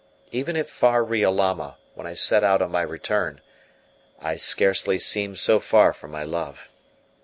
Even at far Riolama, when I set out on my return, I scarcely seemed so far from my love.